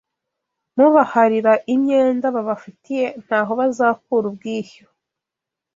Mubaharira Imyenda babafitiye ntaho bazakura ubwishyu